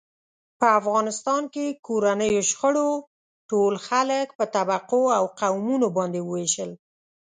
په افغانستان کې کورنیو شخړو ټول خلک په طبقو او قومونو باندې و وېشل.